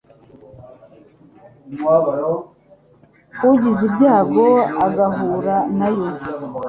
Ugize ibyago ugahura na yo